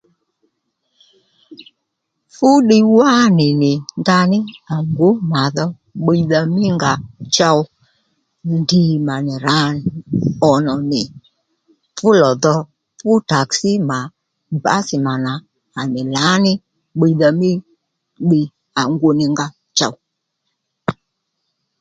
Fú ddiy wánì nì ndaní à ngǔ mà dhà bbíydha mí nga chow ndìy mà nì rǎ ò nò nì, fú lò dho, fú taksí mà bǎsì mà nà nì lǎní bbíydha mí ddiy à ngunì nga chow